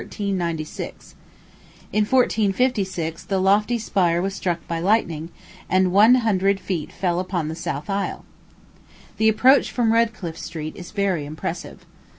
In 1456, the lofty spire was struck by lightning, and one hundred feet fell upon the south aisle. The approach from Redcliffe Street is very impressive.